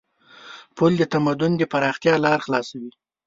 پُل د تمدن د پراختیا لار خلاصوي.